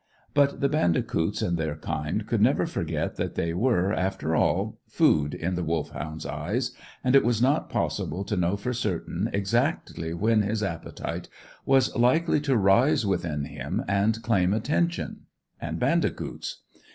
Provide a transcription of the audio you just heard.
But the bandicoots and their kind could never forget that they were, after all, food in the Wolfhound's eyes, and it was not possible to know for certain exactly when his appetite was likely to rise within him and claim attention and bandicoots.